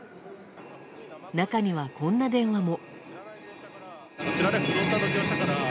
中には、こんな電話も。